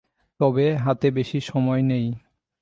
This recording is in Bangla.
তবে হাতে বেশি সময় নেই।